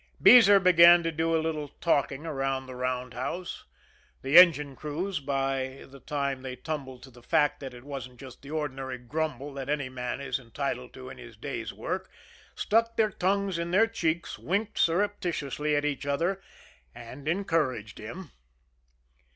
Beezer began to do a little talking around the roundhouse. The engine crews, by the time they tumbled to the fact that it wasn't just the ordinary grumble that any man is entitled to in his day's work, stuck their tongues in their cheeks, winked surreptitiously at each other and encouraged him.